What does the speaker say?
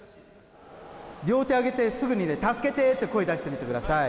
両手上げてすぐに助けてって声を出してください。